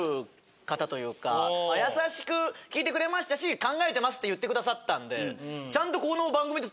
優しく聞いてくれましたし「考えてます」って言ってくださったんで。